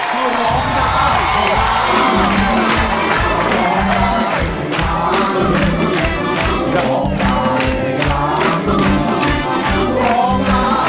คุณช้างร้อง